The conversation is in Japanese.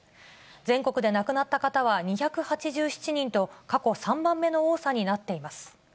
全国で亡くなった方は２８７人と、過去３番目の多さになっています。